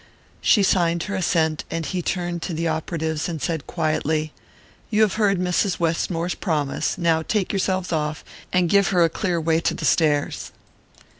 She signed her assent, and he turned to the operatives and said quietly: "You have heard Mrs. Westmore's promise; now take yourselves off, and give her a clear way to the stairs."